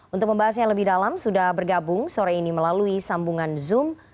untuk membahasnya lebih dalam sudah bergabung sore ini melalui sambungan zoom